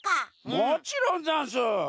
もちろんざんす！